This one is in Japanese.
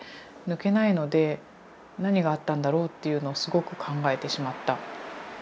抜けないので何があったんだろう？っていうのをすごく考えてしまった。